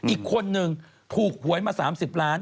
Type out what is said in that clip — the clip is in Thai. อีกคนนึงถูกหวยมา๓๐ล้าน